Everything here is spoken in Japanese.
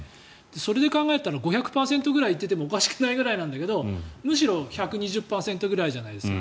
それで考えたら５００％ぐらい行っていてもおかしくないんだけどむしろ１２０％ぐらいじゃないですか。